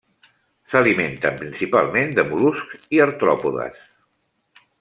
S'alimenten principalment de mol·luscs i artròpodes.